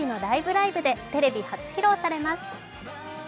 ライブ！」でテレビ初披露されます。